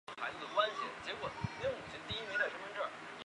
二型鳞毛蕨为鳞毛蕨科鳞毛蕨属下的一个种。